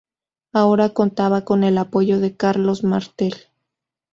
Ahora contaban con el apoyo de Carlos Martel.